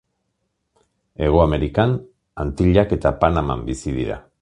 Hego Amerikan, Antillak eta Panaman bizi dira.